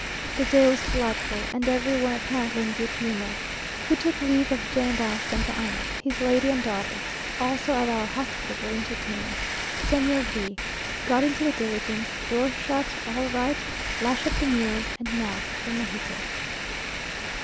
The day was delightful, and every one apparently in good humour. We took leave of General Santa Anna, his lady and daughter, also of our hospitable entertainer, Señor V o; got into the diligence doors shut all right lash up the mules, and now for Mexico!